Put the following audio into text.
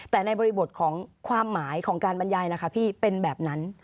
แต่ในบริบทของความหมายของการบรรยายนะคะพี่เป็นแบบนั้น